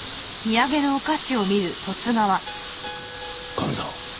カメさん